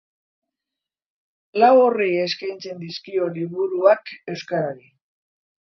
Lau orri eskaintzen dizkio liburuak euskarari.